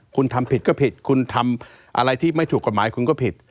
คุณทำผิดก็ผิดคุณทำอะไรที่ไม่ถูกกฎหมายคุณก็ผิด